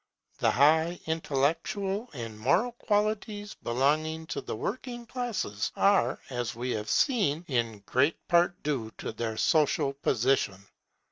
The high intellectual and moral qualities belonging to the working classes are, as we have seen, in great part due to their social position.